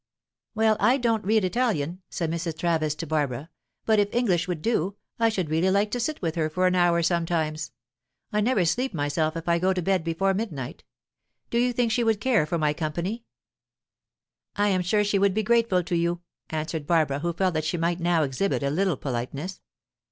"Well, I don't read Italian," said Mrs. Travis to Barbara, "but if English would do, I should really like to sit with her for an hour sometimes. I never sleep myself if I go to bed before midnight. Do you think she would care for my company?" "I am sure she would be grateful to you," answered Barbara, who felt that she might now exhibit a little politeness.